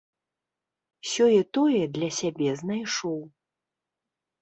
Сёе-тое для сябе знайшоў.